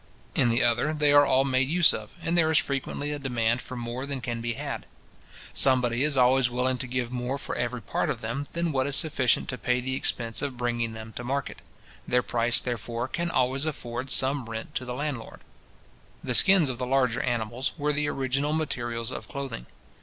In the other, they are all made use of, and there is frequently a demand for more than can be had. Somebody is always willing to give more for every part of them, than what is sufficient to pay the expense of bringing them to market. Their price, therefore, can always afford some rent to the landlord. The skins of the larger animals were the original materials of clothing.